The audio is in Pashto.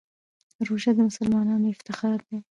روژه د مسلمانانو افتخار دی.